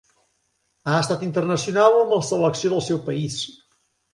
Ha estat internacional amb la selecció del seu país.